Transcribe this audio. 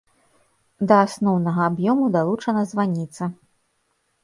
Да асноўнага аб'ёму далучана званіца.